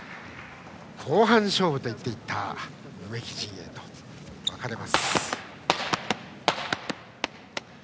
後半勝負といっていた梅木陣営と分かれます。